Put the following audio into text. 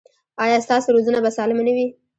ایا ستاسو روزنه به سالمه نه وي؟